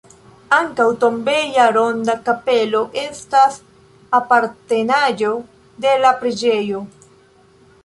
Ankaŭ tombeja ronda kapelo estas apartenaĵo de la preĝejo.